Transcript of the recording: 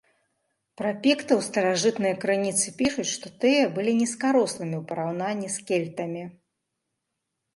Пра піктаў старажытныя крыніцы пішуць, што тыя былі нізкарослымі ў параўнанні з кельтамі.